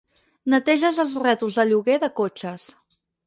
Neteges els rètols de lloguer de cotxes.